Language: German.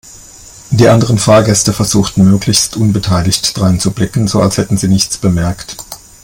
Die anderen Fahrgäste versuchten möglichst unbeteiligt dreinzublicken, so als hätten sie nichts bemerkt.